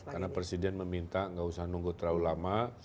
karena presiden meminta nggak usah nunggu terlalu lama